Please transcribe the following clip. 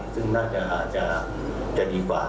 ซึ่งน่าจะอาจจะดีกว่า